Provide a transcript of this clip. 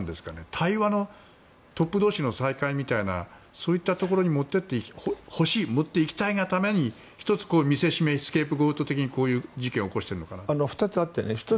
対話の、トップ同士の再開みたいなそういったところに持っていきたいがために１つみせしめにスケープゴート的に事件を起こしているのか？